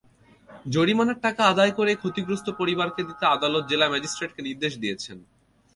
জরিমানার টাকা আদায় করে ক্ষতিগ্রস্ত পরিবারকে দিতে আদালত জেলা ম্যাজিস্ট্রেটকে নির্দেশ দিয়েছেন।